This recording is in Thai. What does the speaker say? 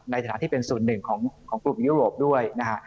ในฐานะที่เป็นส่วนหนึ่งของกลุ่มยุโรปด้วยนะฮะ